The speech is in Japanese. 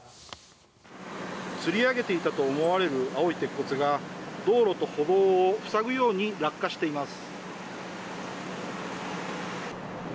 つり上げていたと思われる青い鉄骨が道路と歩道を塞ぐように落下しています。